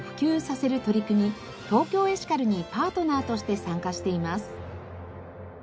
ＴＯＫＹＯエシカルにパートナーとして参加しています。